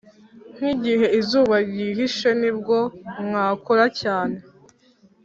nkigihe izuba, ryihishe nibwo mwakora cyane